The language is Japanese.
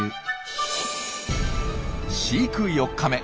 飼育４日目。